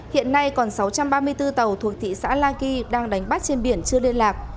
hiện nay còn sáu trăm ba mươi bốn tàu thuộc thị xã la kỳ đang đánh bắt trên biển chưa liên lạc